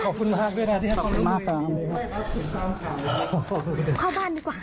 ขอบคุณมากต่อครับ